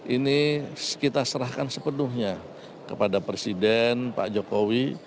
ini kita serahkan sepenuhnya kepada presiden pak jokowi